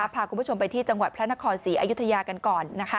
พาคุณผู้ชมไปที่จังหวัดพระนครศรีอยุธยากันก่อน